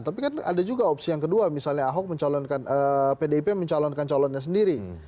tapi kan ada juga opsi yang kedua misalnya ahok mencalonkan pdip mencalonkan calonnya sendiri